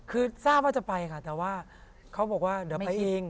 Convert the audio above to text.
คือทราบว่าจะไปค่ะแต่ว่าเขาบอกว่าเดี๋ยวไปเอง